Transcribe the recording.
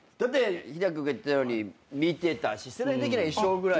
英明君が言ってたように見てたし世代的には一緒ぐらい？